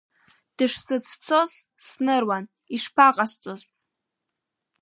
Дышсыцәцоз сныруан, ишԥаҟасҵоз.